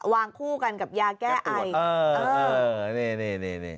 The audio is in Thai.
วางคู่กันกับยาแก้ไอเออนี่นี่นี่